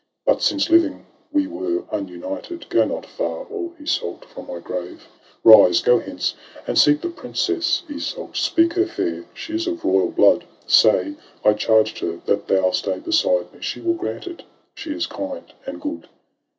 But, since living we were ununited, Go not far, O Iseult ! from my grave. Rise, go hence, and seek the princess Iseult ; Speak her fair, she is of royal blood ! Say, I charged her, that thou stay beside me. She will grant it; she is kind and good.